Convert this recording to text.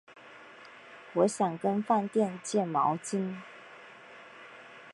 我想跟饭店借毛巾